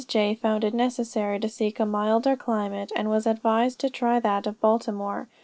found it necessary to seek a milder climate, and was advised to try that of Baltimore.